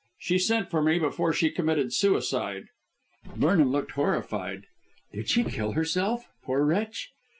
She sent for me before she committed suicide." Vernon looked horrified. "Did she kill herself, poor wretch?"